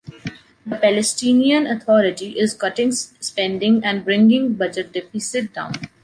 The Palestinian Authority is cutting spending and bringing budget deficit down.